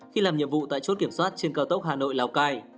khi làm nhiệm vụ tại chốt kiểm soát trên cao tốc hà nội lào cai